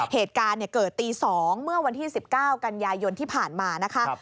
เหตุการณ์เกิดตี๒เมื่อวันที่๑๙กันยายนที่ผ่านมานะคะ